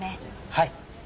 はい。